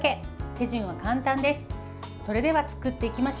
手順は簡単です。